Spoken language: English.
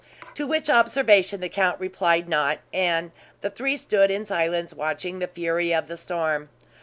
To which observation the count replied not; and the three stood in silence, watching the fury of the storm.